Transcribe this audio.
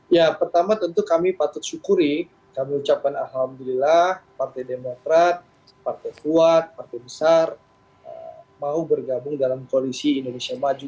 ya pertama tentu kami patut syukuri kami ucapkan alhamdulillah partai demokrat partai kuat partai besar mau bergabung dalam koalisi indonesia maju